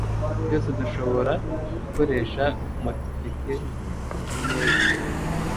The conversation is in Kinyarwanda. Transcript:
twese dushobora gukoresha motifike nkeya